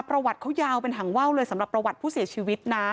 ประวัติเขายาวเป็นหางว่าวเลยสำหรับประวัติผู้เสียชีวิตนะ